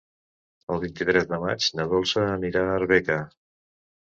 El vint-i-tres de maig na Dolça anirà a Arbeca.